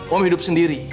om hidup sendiri